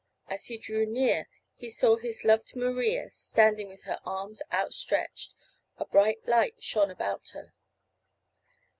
As he drew near he saw his loved Maria standing with her arms outstretched. A bright light shone about her.